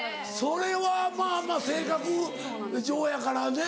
それはまぁまぁ性格上やからね。